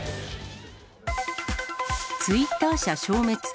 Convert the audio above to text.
ツイッター社消滅。